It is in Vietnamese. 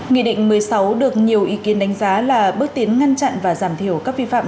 nghị định một mươi sáu được nhiều ý kiến đánh giá là bước tiến ngăn chặn và giảm thiểu các vi phạm